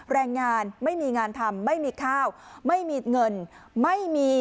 แรงงานไม่มีงานทำไม่มีข้าวไม่มีเงินไม่มี